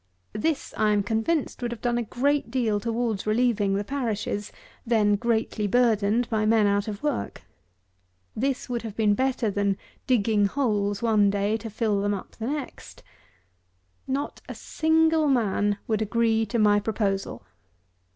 This I am convinced, would have done a great deal towards relieving the parishes, then greatly burdened by men out of work. This would have been better than digging holes one day to fill them up the next. Not a single man would agree to my proposal!